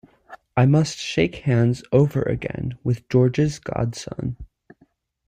I must shake hands over again with George's godson.